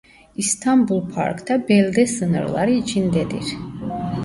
İstanbul Park'ta belde sınırları içindedir.